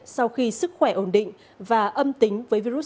sau khi sức khỏe ổn định và âm tính